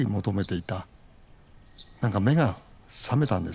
何か目が覚めたんです。